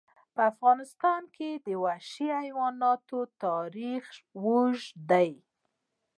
په افغانستان کې د وحشي حیواناتو تاریخ اوږد دی.